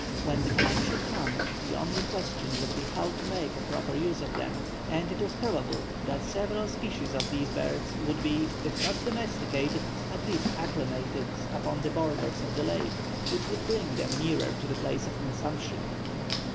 When the time should come the only question would be how to make a proper use of them, and it was probable that several species of these birds would be, if not domesticated, at least acclimated, upon the borders of the lake, which would bring them nearer to the place of consumption.